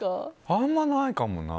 あんまりないかもな。